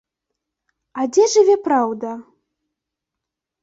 А дзе жыве праўда?